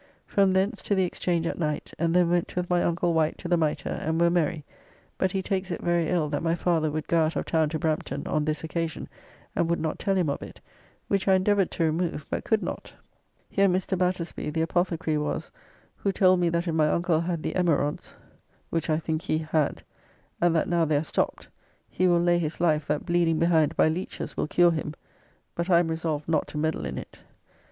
From thence to the Exchange at night, and then went with my uncle Wight to the Mitre and were merry, but he takes it very ill that my father would go out of town to Brampton on this occasion and would not tell him of it, which I endeavoured to remove but could not. Here Mr. Batersby the apothecary was, who told me that if my uncle had the emerods [Haemorrhoids or piles.] (which I think he had) and that now they are stopped, he will lay his life that bleeding behind by leeches will cure him, but I am resolved not to meddle in it.